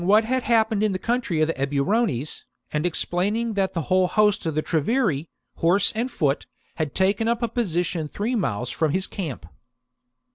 c. what had happened in the country of the Eburones, and explaining that the whole host of the Treveri, horse and foot, had taken up a position three miles from his camp.